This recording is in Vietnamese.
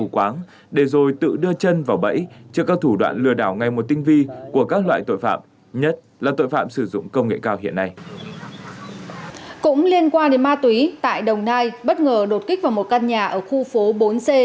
qua đến ma túy tại đồng nai bất ngờ đột kích vào một căn nhà ở khu phố bốn c